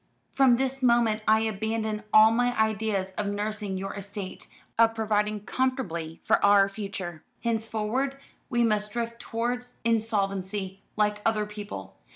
From this moment I abandon all my ideas of nursing your estate, of providing comfortably for our future. Henceforward we must drift towards insolvency, like other people.